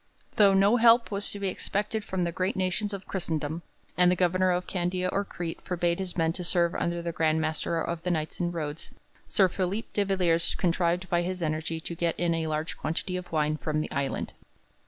Though no help was to be expected from the great nations of Christendom, and the Governor of Candia or Crete forbade his men to serve under the Grand Master of the Knights in Rhodes, Sir Philip de Villiers contrived by his energy to get in a large quantity of wine from the island.